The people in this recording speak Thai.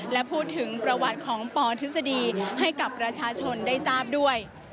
และพูดถึงประวัติของปทฤษฎีให้กับประชาชนได้ทราบด้วย